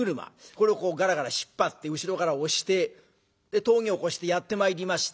これをガラガラ引っ張って後ろから押して峠を越してやって参りました